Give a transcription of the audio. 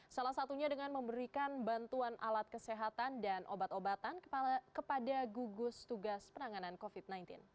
salah satunya dengan memberikan bantuan alat kesehatan dan obat obatan kepada gugus tugas penanganan covid sembilan belas